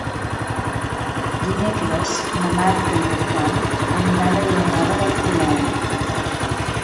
Dimecres na Marta i en Tom aniran a Vilanova d'Alcolea.